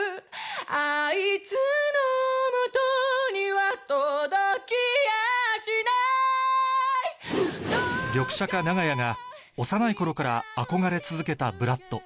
あいつの元には届きやしないリョクシャカ・長屋が幼い頃から憧れ続けたＢＬＯＯＤ